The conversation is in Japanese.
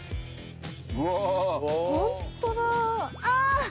ああ！